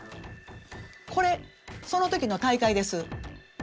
これその時の大会です。